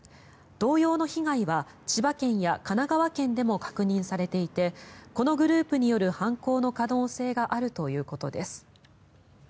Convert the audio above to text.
同様の被害は千葉県や神奈川県でも確認されていてこのグループによる犯行の可能性があるということです。